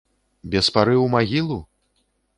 Без пары ў магілу?